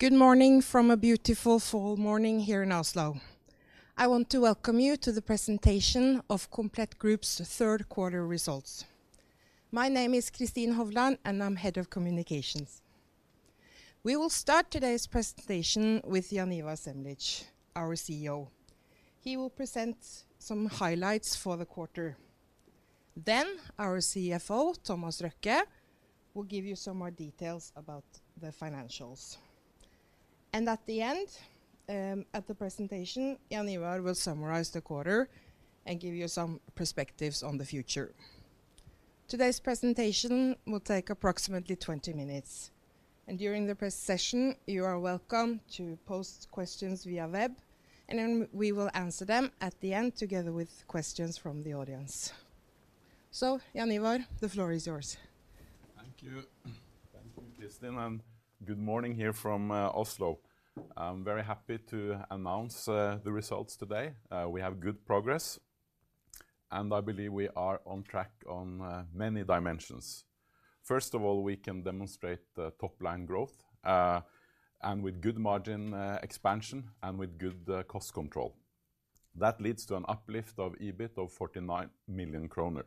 Good morning from a beautiful fall morning here in Oslo. I want to welcome you to the presentation of Komplett Group's third quarter results. My name is Kristin Hovland, and I'm Head of Communications. We will start today's presentation with Jaan Ivar Semlitsch, our CEO. He will present some highlights for the quarter. Then our CFO, Thomas Røkke, will give you some more details about the financials. And at the end, at the presentation, Jaan Ivar will summarize the quarter and give you some perspectives on the future. Today's presentation will take approximately 20 minutes, and during the press session, you are welcome to post questions via web, and then we will answer them at the end, together with questions from the audience. So Jaan Ivar, the floor is yours. Thank you. Thank you, Kristin, and good morning here from Oslo. I'm very happy to announce the results today. We have good progress, and I believe we are on track on many dimensions. First of all, we can demonstrate the top-line growth and with good margin expansion and with good cost control. That leads to an uplift of EBIT of 49 million kroner.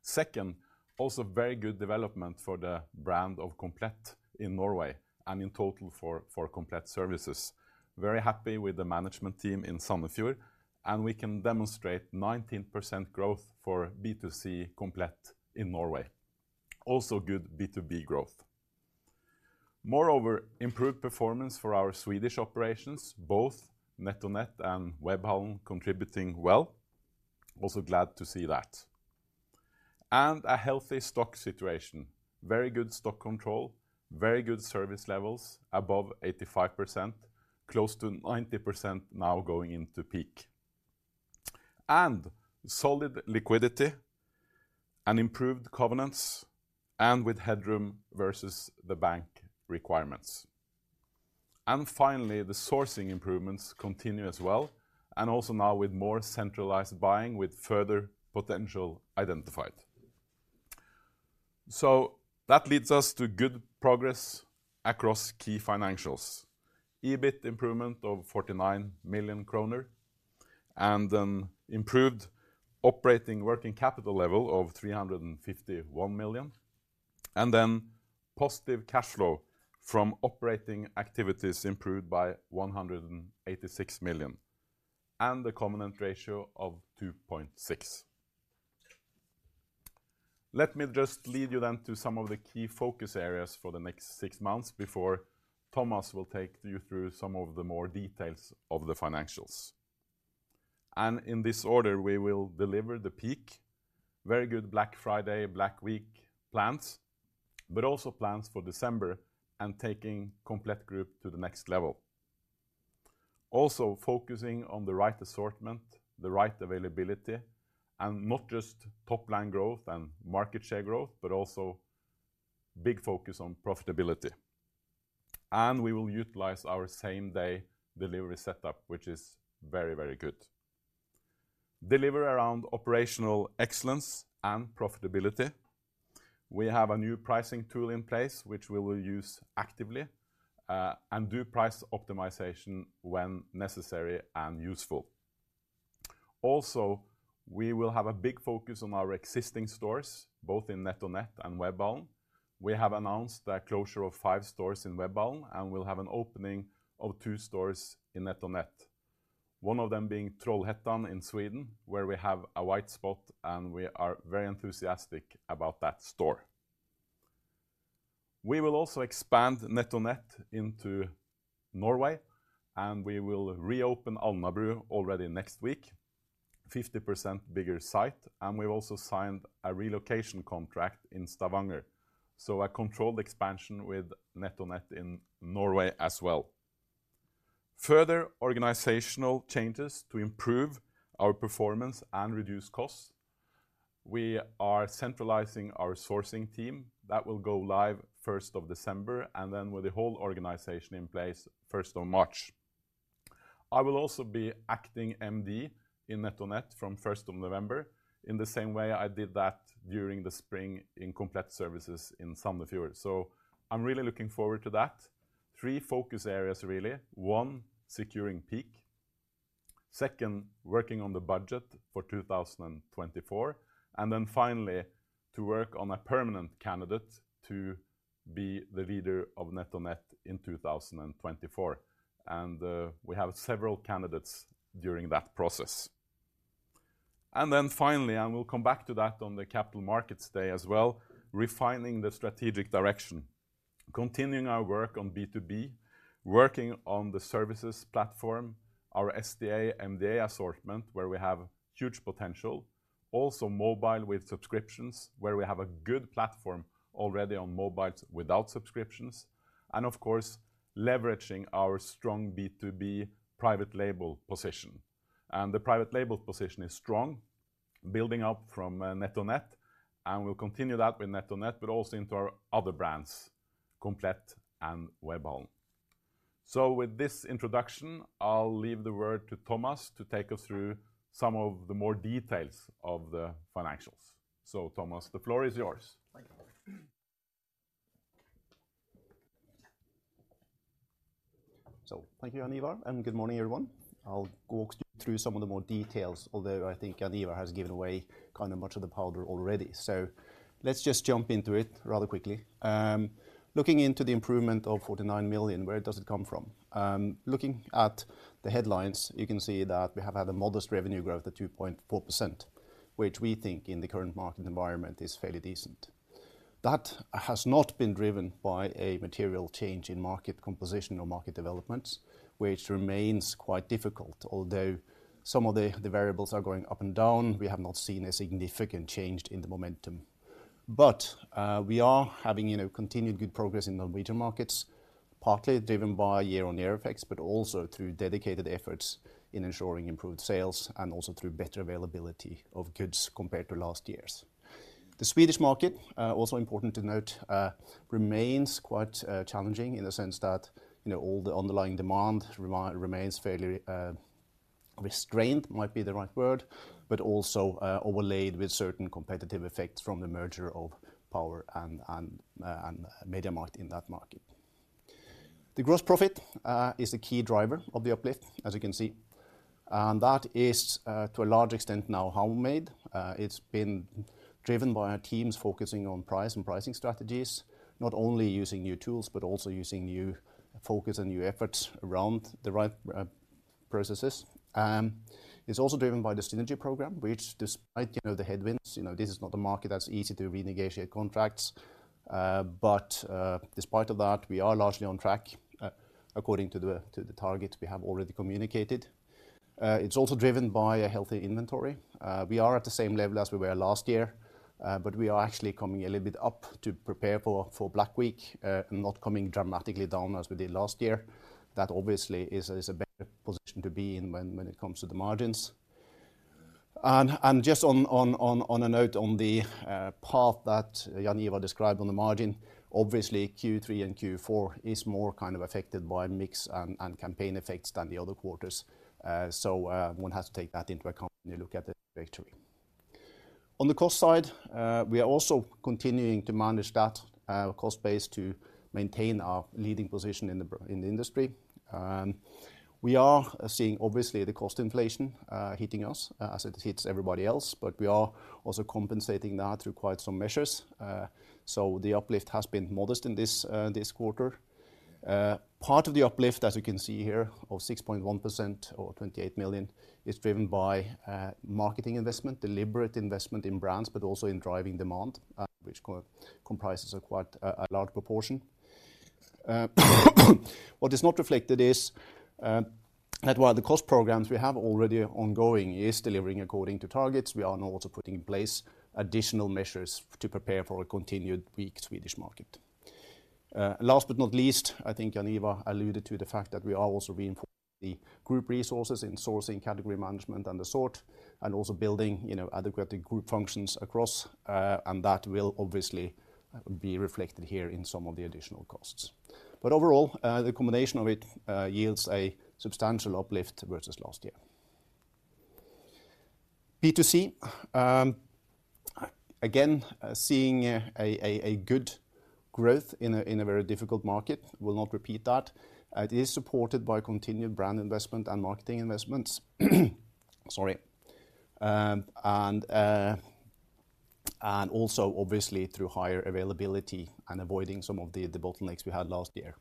Second, also very good development for the brand of Komplett in Norway and in total for Komplett Services. Very happy with the management team in Sandefjord, and we can demonstrate 19% growth for B2C Komplett in Norway. Also, good B2B growth. Moreover, improved performance for our Swedish operations, both NetOnNet and Webhallen contributing well. Also glad to see that. A healthy stock situation, very good stock control, very good service levels, above 85%, close to 90% now going into peak. Solid liquidity and improved covenants and with headroom versus the bank requirements. Finally, the sourcing improvements continue as well, and also now with more centralized buying, with further potential identified. So that leads us to good progress across key financials. EBIT improvement of 49 million kroner and an improved operating working capital level of 351 million, and then positive cash flow from operating activities improved by 186 million, and the covenant ratio of 2.6x. Let me just lead you then to some of the key focus areas for the next six months before Thomas will take you through some of the more details of the financials. In this order, we will deliver the peak, very good Black Friday, Black Week plans, but also plans for December and taking Komplett Group to the next level. Also focusing on the right assortment, the right availability, and not just top-line growth and market share growth, but also big focus on profitability. And we will utilize our same-day delivery setup, which is very, very good. Deliver around operational excellence and profitability. We have a new pricing tool in place, which we will use actively, and do price optimization when necessary and useful. Also, we will have a big focus on our existing stores, both in NetOnNet and Webhallen. We have announced the closure of five stores in Webhallen, and we'll have an opening of two stores in NetOnNet, one of them being Trollhättan in Sweden, where we have a white spot, and we are very enthusiastic about that store. We will also expand NetOnNet into Norway, and we will reopen Alnabru already next week, 50% bigger site, and we've also signed a relocation contract in Stavanger, so a controlled expansion with NetOnNet in Norway as well. Further organizational changes to improve our performance and reduce costs. We are centralizing our sourcing team. That will go live 1st of December, and then with the whole organization in place 1st of March. I will also be acting MD in NetOnNet from first of November, in the same way I did that during the spring in Komplett Services in Sandefjord. So I'm really looking forward to that. Three focus areas, really. One, securing peak. Second, working on the budget for 2024. And then finally, to work on a permanent candidate to be the leader of NetOnNet in 2024, and we have several candidates during that process. And then finally, and we'll come back to that on the Capital Markets Day as well, refining the strategic direction, continuing our work on B2B, working on the services platform, our SDA and the assortment, where we have huge potential. Also mobile with subscriptions, where we have a good platform already on mobile without subscriptions, and of course, leveraging our strong B2B private label position. And the private label position is strong, building up from NetOnNet, and we'll continue that with NetOnNet, but also into our other brands, Komplett and Webhallen. So with this introduction, I'll leave the word to Thomas to take us through some of the more details of the financials. So, Thomas, the floor is yours. Thank you. So thank you, Jaan Ivar, and good morning, everyone. I'll walk you through some of the more details, although I think Jaan Ivar has given away kind of much of the powder already. So let's just jump into it rather quickly. Looking into the improvement of 49 million, where does it come from? Looking at the headlines, you can see that we have had a modest revenue growth of 2.4%, which we think in the current market environment is fairly decent. That has not been driven by a material change in market composition or market developments, which remains quite difficult. Although some of the variables are going up and down, we have not seen a significant change in the momentum. But, we are having, you know, continued good progress in the Norwegian markets, partly driven by year-on-year effects, but also through dedicated efforts in ensuring improved sales and also through better availability of goods compared to last year's. The Swedish market, also important to note, remains quite challenging in the sense that, you know, all the underlying demand remains fairly restrained, might be the right word, but also overlaid with certain competitive effects from the merger of Power and MediaMarkt in that market. The gross profit is a key driver of the uplift, as you can see, and that is, to a large extent, now homemade. It's been driven by our teams focusing on price and pricing strategies, not only using new tools, but also using new focus and new efforts around the right processes. It's also driven by the synergy program, which despite, you know, the headwinds, you know, this is not a market that's easy to renegotiate contracts. But, despite of that, we are largely on track according to the, to the target we have already communicated. It's also driven by a healthy inventory. We are at the same level as we were last year, but we are actually coming a little bit up to prepare for, for Black Week, and not coming dramatically down as we did last year. That obviously is a, is a better position to be in when, when it comes to the margins. Just on a note on the path that Jaan Ivar described on the margin, obviously, Q3 and Q4 is more kind of affected by mix and campaign effects than the other quarters. So, one has to take that into account when you look at the trajectory. On the cost side, we are also continuing to manage that cost base to maintain our leading position in the industry. And we are seeing obviously the cost inflation hitting us as it hits everybody else, but we are also compensating that through quite some measures. So the uplift has been modest in this quarter. Part of the uplift, as you can see here, of 6.1% or 28 million, is driven by marketing investment, deliberate investment in brands, but also in driving demand, which comprises quite a large proportion. What is not reflected is that while the cost programs we have already ongoing is delivering according to targets, we are now also putting in place additional measures to prepare for a continued weak Swedish market. Last but not least, I think Jaan Ivar alluded to the fact that we are also reinforcing the group resources in sourcing, category management, and the sort, and also building, you know, adequate group functions across, and that will obviously be reflected here in some of the additional costs. But overall, the combination of it yields a substantial uplift versus last year. B2C, again, seeing a good growth in a very difficult market, will not repeat that. It is supported by continued brand investment and marketing investments. Sorry. And also obviously through higher availability and avoiding some of the bottlenecks we had last year.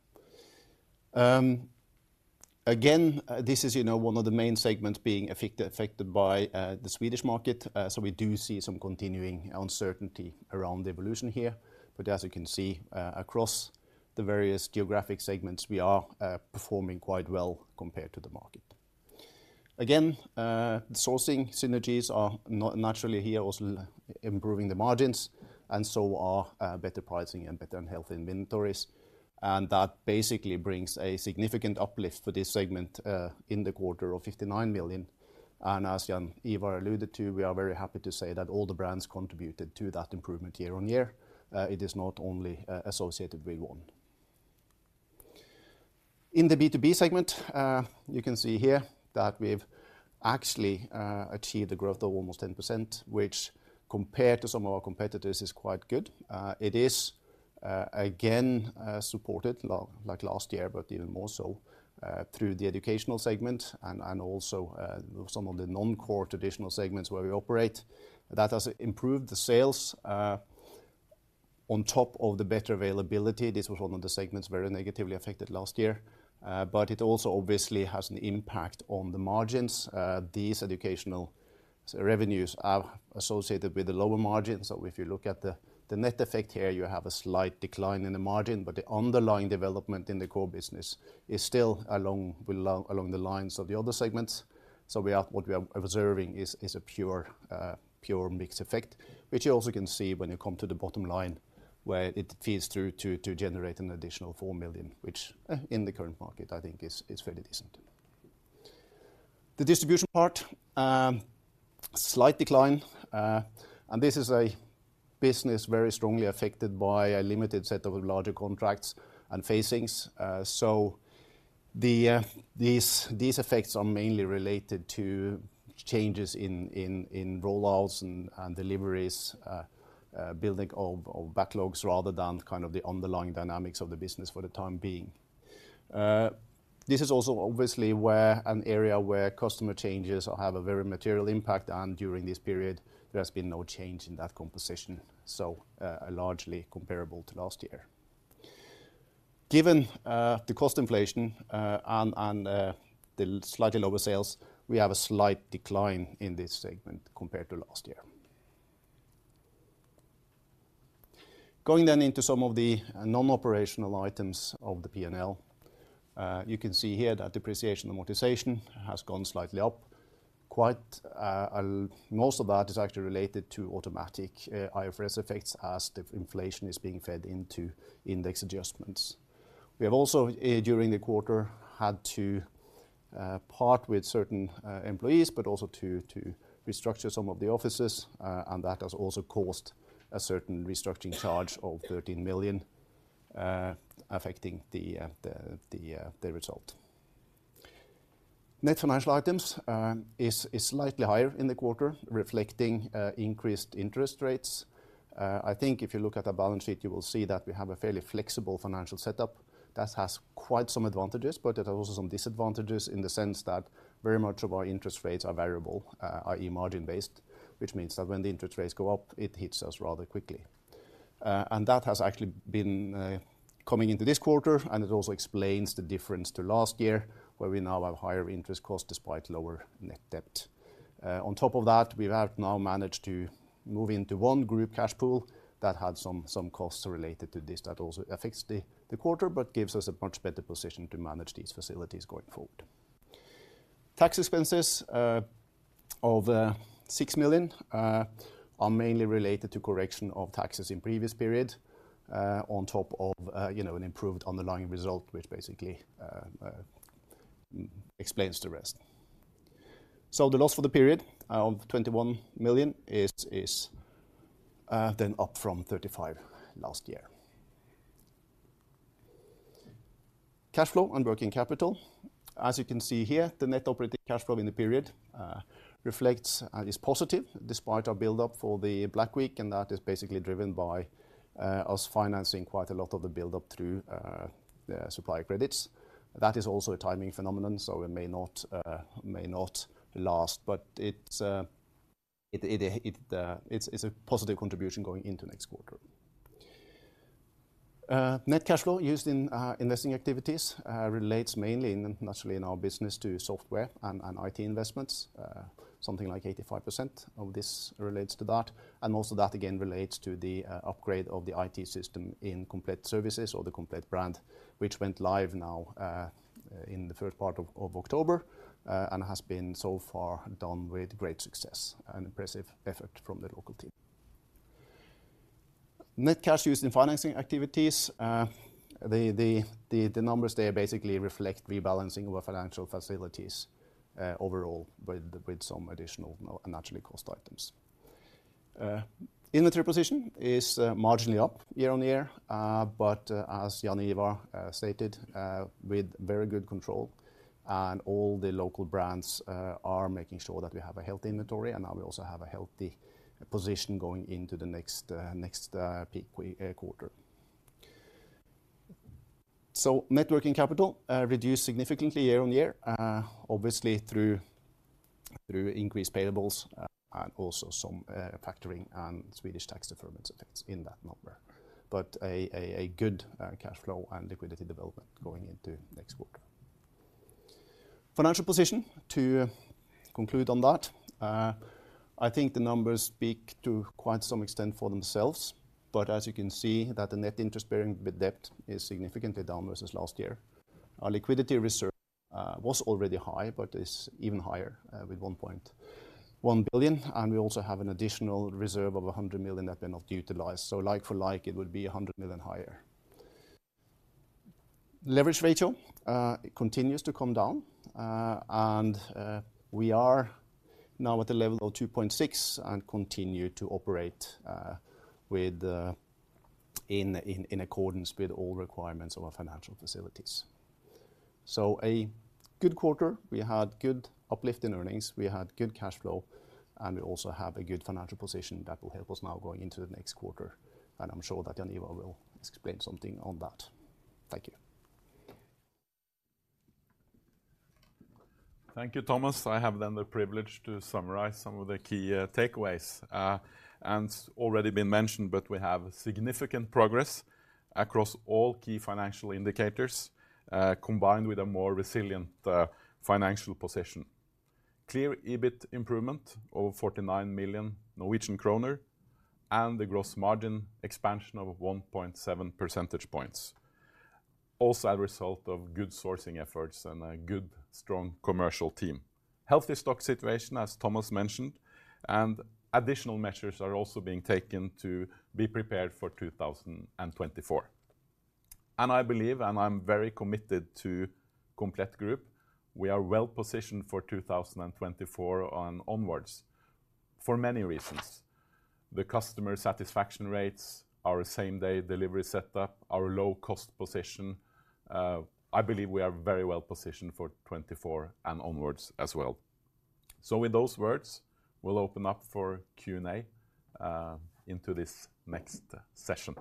Again, this is, you know, one of the main segments being affected by the Swedish market, so we do see some continuing uncertainty around the evolution here. But as you can see, across the various geographic segments, we are performing quite well compared to the market. Again, sourcing synergies are naturally here, also improving the margins, and so are better pricing and better and healthy inventories. And that basically brings a significant uplift for this segment, in the quarter of 59 million. As Jaan Ivar alluded to, we are very happy to say that all the brands contributed to that improvement year-on-year. It is not only associated with one. In the B2B segment, you can see here that we've actually achieved a growth of almost 10%, which compared to some of our competitors, is quite good. It is, again, supported like last year, but even more so, through the educational segment and also some of the non-core traditional segments where we operate. That has improved the sales, on top of the better availability. This was one of the segments very negatively affected last year, but it also obviously has an impact on the margins. These educational revenues are associated with the lower margin. So if you look at the net effect here, you have a slight decline in the margin, but the underlying development in the core business is still along the lines of the other segments. So what we are observing is a pure mixed effect, which you also can see when you come to the bottom line, where it feeds through to generate an additional 4 million, which in the current market, I think is fairly decent. The distribution part, slight decline, and this is a business very strongly affected by a limited set of larger contracts and facings. So the effects are mainly related to changes in roll-outs and deliveries, building of backlogs rather than kind of the underlying dynamics of the business for the time being. This is also obviously an area where customer changes will have a very material impact, and during this period, there has been no change in that composition, so largely comparable to last year. Given the cost inflation and the slightly lower sales, we have a slight decline in this segment compared to last year. Going then into some of the non-operational items of the P&L, you can see here that depreciation amortization has gone slightly up, and most of that is actually related to automatic IFRS effects as the inflation is being fed into index adjustments. We have also during the quarter had to part with certain employees, but also to restructure some of the offices, and that has also caused a certain restructuring charge of 13 million, affecting the result. Net financial items is slightly higher in the quarter, reflecting increased interest rates. I think if you look at the balance sheet, you will see that we have a fairly flexible financial setup. That has quite some advantages, but it also some disadvantages in the sense that very much of our interest rates are variable, i.e., margin-based, which means that when the interest rates go up, it hits us rather quickly. And that has actually been coming into this quarter, and it also explains the difference to last year, where we now have higher interest costs despite lower net debt. On top of that, we have now managed to move into one group cash pool that had some costs related to this that also affects the quarter, but gives us a much better position to manage these facilities going forward. Tax expenses of 6 million are mainly related to correction of taxes in previous period, on top of you know, an improved underlying result, which basically explains the rest. So the loss for the period of 21 million is then up from 35 million last year. Cash flow and working capital. As you can see here, the net operating cash flow in the period reflects and is positive, despite our build-up for the Black Week, and that is basically driven by us financing quite a lot of the build-up through the supplier credits. That is also a timing phenomenon, so it may not last, but it's a positive contribution going into next quarter. Net cash flow used in investing activities relates mainly, naturally in our business, to software and IT investments. Something like 85% of this relates to that, and most of that, again, relates to the upgrade of the IT system in Komplett Services or the Komplett brand, which went live now in the first part of October, and has been so far done with great success and impressive effort from the local team. Net cash used in financing activities, the numbers there basically reflect rebalancing our financial facilities, overall, with some additional naturally cost items. Inventory position is marginally up year-on-year, but as Jaan Ivar stated, with very good control, and all the local brands are making sure that we have a healthy inventory, and now we also have a healthy position going into the next, next, peak week, quarter. So net working capital reduced significantly year-on-year, obviously through increased payables, and also some factoring and Swedish tax deferment effects in that number, but a good cash flow and liquidity development going into next quarter. Financial position, to conclude on that, I think the numbers speak to quite some extent for themselves, but as you can see, that the net interest-bearing debt is significantly down versus last year. Our liquidity reserve was already high, but is even higher, with 1.1 billion, and we also have an additional reserve of 100 million that may not utilize. So like for like, it would be 100 million higher. Leverage ratio continues to come down, and we are now at the level of 2.6x and continue to operate with the in accordance with all requirements of our financial facilities. So a good quarter. We had good uplift in earnings, we had good cash flow, and we also have a good financial position that will help us now going into the next quarter, and I'm sure that Jaan Ivar will explain something on that. Thank you. Thank you, Thomas. I have then the privilege to summarize some of the key takeaways. And it's already been mentioned, but we have significant progress across all key financial indicators, combined with a more resilient financial position. Clear EBIT improvement over 49 million Norwegian kroner, and the gross margin expansion of 1.7 percentage points. Also, a result of good sourcing efforts and a good, strong commercial team. Healthy stock situation, as Thomas mentioned, and additional measures are also being taken to be prepared for 2024. And I believe, and I'm very committed to Komplett Group, we are well positioned for 2024 and onwards, for many reasons. The customer satisfaction rates, our same-day delivery setup, our low-cost position, I believe we are very well positioned for 2024 and onwards as well. So with those words, we'll open up for Q&A into this next session.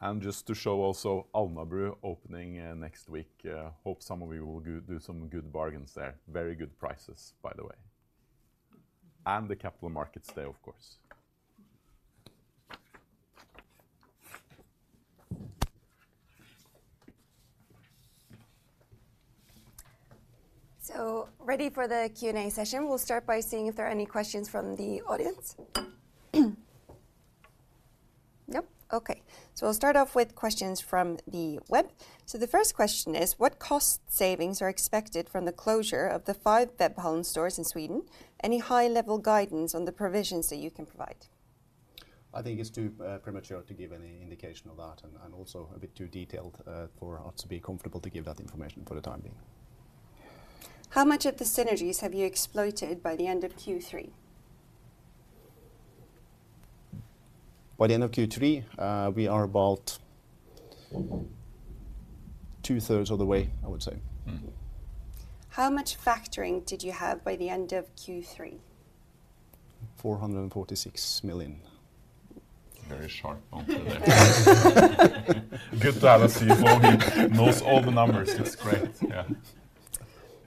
And just to show also Alnabru opening next week. Hope some of you will do some good bargains there. Very good prices, by the way. And the Capital Markets Day, of course. So ready for the Q&A session. We'll start by seeing if there are any questions from the audience. Nope? Okay. So we'll start off with questions from the web. So the first question is: What cost savings are expected from the closure of the five Webhallen stores in Sweden? Any high-level guidance on the provisions that you can provide? I think it's too premature to give any indication of that, and also a bit too detailed for us to be comfortable to give that information for the time being. How much of the synergies have you exploited by the end of Q3? By the end of Q3, we are about two-thirds of the way, I would say. Mm-hmm. How much factoring did you have by the end of Q3? 446 million. Very sharp answer there. Good to have us, he knows all the numbers. That's great,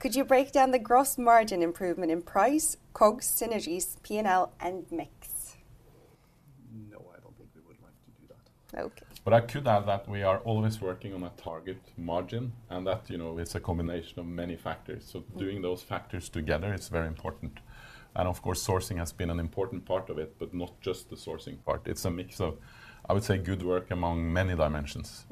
yeah. Could you break down the gross margin improvement in price, COGS, synergies, P&L, and mix? No, I don't think we would like to do that. Okay. But I could add that we are always working on a target margin, and that, you know, is a combination of many factors. So doing those factors together is very important. And of course, sourcing has been an important part of it, but not just the sourcing part. It's a mix of, I would say, good work among many dimensions.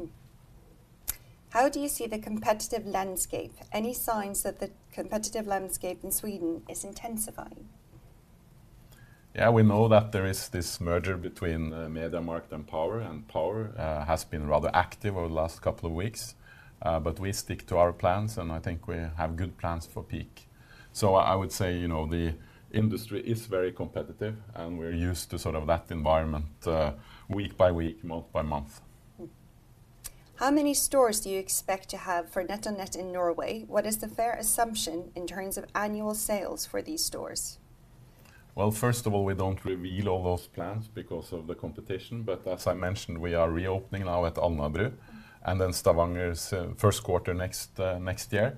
How do you see the competitive landscape? Any signs that the competitive landscape in Sweden is intensifying? Yeah, we know that there is this merger between MediaMarkt and Power, and Power has been rather active over the last couple of weeks. But we stick to our plans, and I think we have good plans for peak. So I would say, you know, the industry is very competitive, and we're used to sort of that environment, week by week, month by month. How many stores do you expect to have for NetOnNet in Norway? What is the fair assumption in terms of annual sales for these stores? Well, first of all, we don't reveal all those plans because of the competition, but as I mentioned, we are reopening now at Alnabru, and then Stavanger's first quarter next year.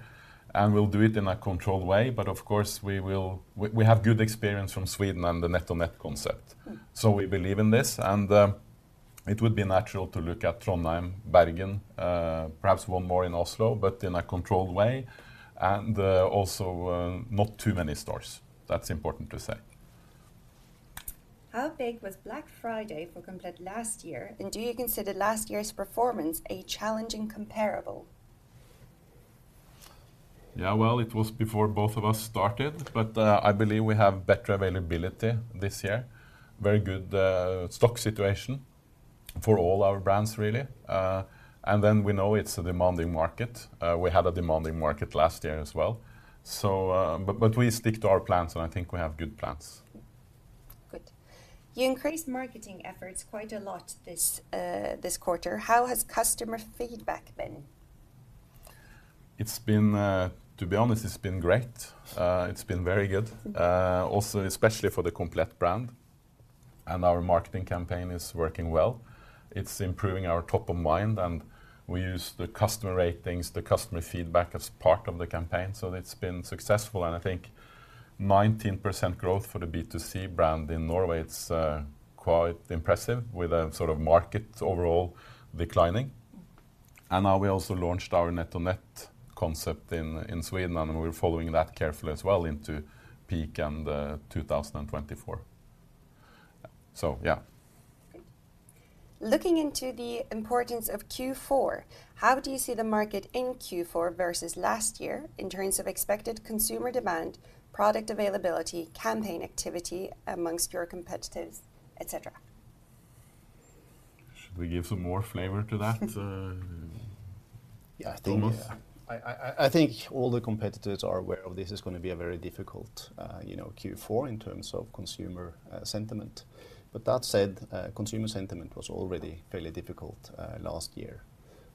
We'll do it in a controlled way, but of course, we will... We have good experience from Sweden and the NetOnNet concept. Mm. So we believe in this, and it would be natural to look at Trondheim, Bergen, perhaps one more in Oslo, but in a controlled way, and also not too many stores. That's important to say. How big was Black Friday for Komplett last year, and do you consider last year's performance a challenging comparable? Yeah, well, it was before both of us started, but I believe we have better availability this year. Very good stock situation for all our brands, really. And then we know it's a demanding market. We had a demanding market last year as well, so but we stick to our plans, and I think we have good plans. Good. You increased marketing efforts quite a lot this quarter. How has customer feedback been? It's been. To be honest, it's been great. It's been very good, also especially for the Komplett brand, and our marketing campaign is working well. It's improving our top of mind, and we use the customer ratings, the customer feedback as part of the campaign, so it's been successful. And I think 19% growth for the B2C brand in Norway, it's quite impressive with a sort of market overall declining. Mm. Now we also launched our NetOnNet concept in Sweden, and we're following that carefully as well into peak and 2024. Yeah. Great. Looking into the importance of Q4, how do you see the market in Q4 versus last year in terms of expected consumer demand, product availability, campaign activity amongst your competitors, et cetera? Should we give some more flavor to that, Thomas? Yeah, I think all the competitors are aware of this is gonna be a very difficult, you know, Q4 in terms of consumer sentiment. But that said, consumer sentiment was already fairly difficult last year.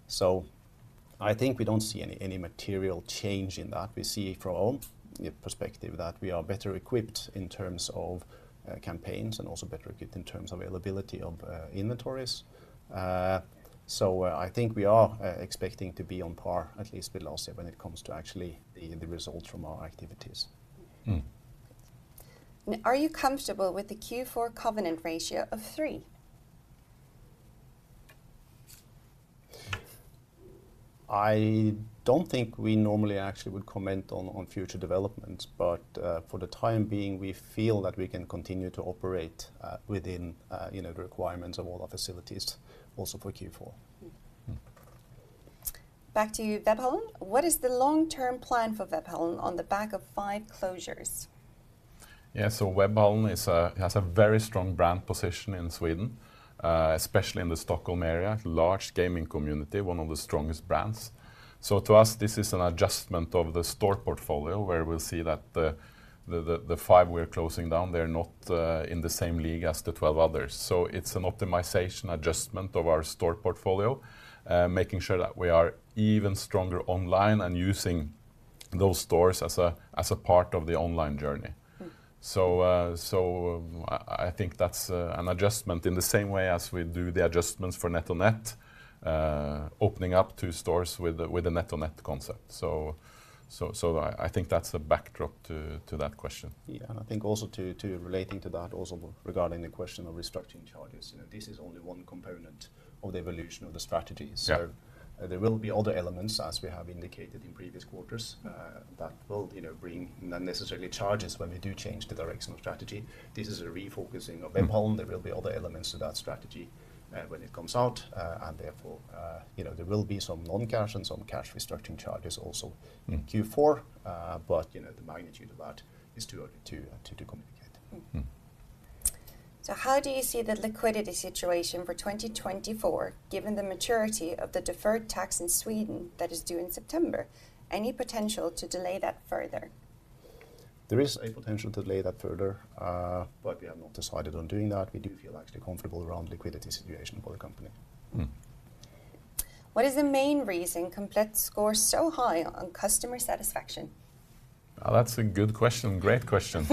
So I think we don't see any material change in that. We see from our own perspective, that we are better equipped in terms of campaigns and also better equipped in terms of availability of inventories. So I think we are expecting to be on par at least with last year when it comes to actually the results from our activities. Mm. Are you comfortable with the Q4 covenant ratio of 3x? I don't think we normally actually would comment on future developments, but for the time being, we feel that we can continue to operate within, you know, the requirements of all our facilities also for Q4.... Back to you, Webhallen. What is the long-term plan for Webhallen on the back of five closures? Yeah, so Webhallen has a very strong brand position in Sweden, especially in the Stockholm area. Large gaming community, one of the strongest brands. So to us, this is an adjustment of the store portfolio, where we'll see that the five we're closing down, they're not in the same league as the 12 others. So it's an optimization adjustment of our store portfolio, making sure that we are even stronger online and using those stores as a part of the online journey. Mm. So, I think that's an adjustment in the same way as we do the adjustments for NetOnNet, opening up two stores with a NetOnNet concept. So, I think that's the backdrop to that question. Yeah, and I think also to relating to that, also regarding the question of restructuring charges, you know, this is only one component of the evolution of the strategy. Yeah. So there will be other elements, as we have indicated in previous quarters, that will, you know, bring not necessarily charges when we do change the direction of strategy. This is a refocusing of Webhallen. Mm. There will be other elements to that strategy, when it comes out, and therefore, you know, there will be some non-cash and some cash restructuring charges also- Mm.... in Q4. But, you know, the magnitude of that is too early to communicate. Mm. Mm. How do you see the liquidity situation for 2024, given the maturity of the deferred tax in Sweden that is due in September? Any potential to delay that further? There is a potential to delay that further, but we have not decided on doing that. We do feel actually comfortable around liquidity situation for the company. Mm. What is the main reason Komplett score so high on customer satisfaction? Well, that's a good question. Great question.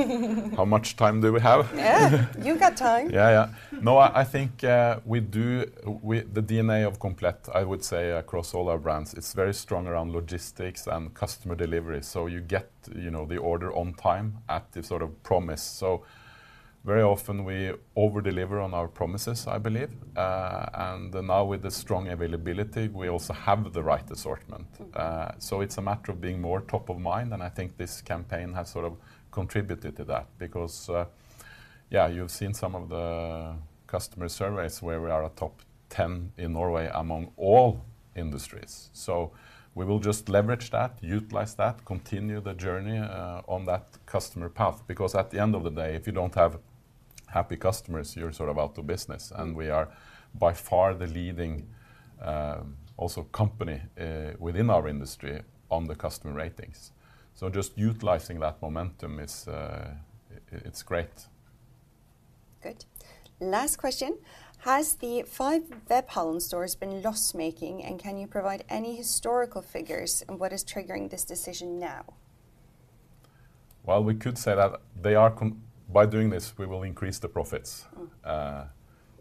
How much time do we have? Yeah, you've got time. Yeah, yeah. No, I think we do. We the DNA of Komplett, I would say across all our brands, it's very strong around logistics and customer delivery. So you get, you know, the order on time at the sort of promise. So very often we over-deliver on our promises, I believe. And now with the strong availability, we also have the right assortment. Mm. So it's a matter of being more top of mind, and I think this campaign has sort of contributed to that, because yeah, you've seen some of the customer surveys where we are a top 10 in Norway among all industries. So we will just leverage that, utilize that, continue the journey on that customer path. Because at the end of the day, if you don't have happy customers, you're sort of out of business. Mm. We are by far the leading also company within our industry on the customer ratings. So just utilizing that momentum, it's great. Good. Last question: Has the five Webhallen stores been loss-making, and can you provide any historical figures on what is triggering this decision now? Well, we could say that they are. By doing this, we will increase the profits. Mm.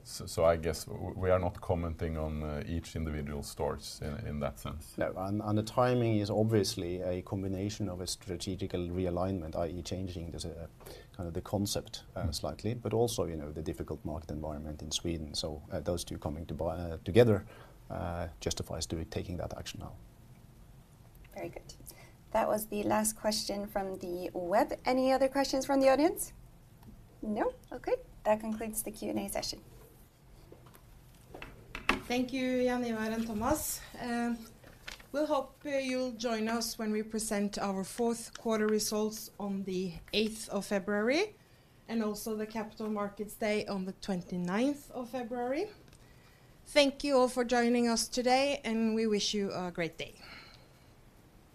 So, I guess we are not commenting on each individual stores in that sense. No, and the timing is obviously a combination of a strategic realignment, i.e., changing the kind of the concept slightly, but also, you know, the difficult market environment in Sweden. So, those two coming together justifies taking that action now. Very good. That was the last question from the web. Any other questions from the audience? No. Okay, that concludes the Q&A session. Thank you, Jaan Ivar and Thomas. We'll hope you'll join us when we present our fourth quarter results on the 8th of February, and also the Capital Markets Day on the 29th of February. Thank you all for joining us today, and we wish you a great day.